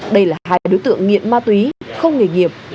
đây là hai đối tượng nghiện ma túy không nghề nghiệp